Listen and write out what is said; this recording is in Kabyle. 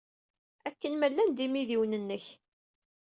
Akken ma llan d imidiwen-nnek?